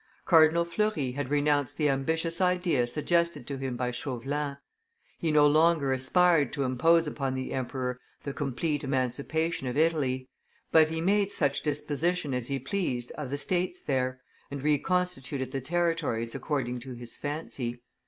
Cardinal Fleury had renounced the ambitious idea suggested to him by Chauvelin; he no longer aspired to impose upon the emperor the complete emancipation of Italy, but he made such disposition as he pleased of the states there, and reconstituted the territories according to his fancy.